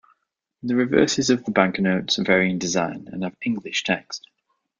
The reverses of the banknotes vary in design and have English text.